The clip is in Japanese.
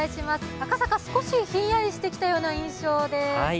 赤坂、少しひんやりしてきたような印象です。